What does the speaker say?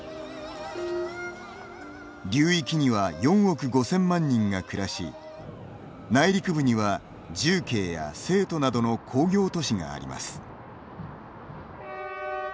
流域には４億５０００万人が暮らし内陸部には重慶や成都などの工業都市があります。